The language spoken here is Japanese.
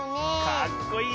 かっこいいね。